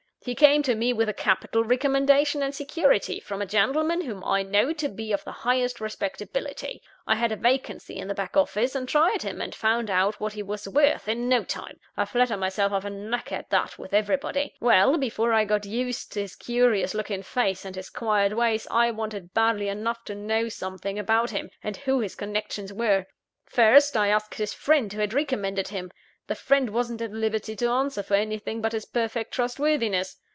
He came to me with a capital recommendation and security, from a gentleman whom I knew to be of the highest respectability. I had a vacancy in the back office, and tried him, and found out what he was worth, in no time I flatter myself I've a knack at that with everybody. Well: before I got used to his curious looking face, and his quiet ways, I wanted badly enough to know something about him, and who his connections were. First, I asked his friend who had recommended him the friend wasn't at liberty to answer for anything but his perfect trustworthiness.